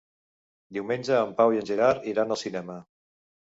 Diumenge en Pau i en Gerard iran al cinema.